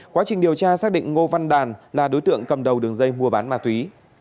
quá trình điều tra xác định ngô văn đàn là đối tượng cầm đầu đường dây mua bán ma túy